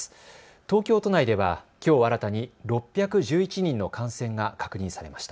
東京都内では、きょう新たに６１１人の感染が確認されました。